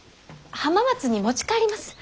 浜松に持ち帰ります。